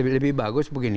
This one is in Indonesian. lebih bagus begini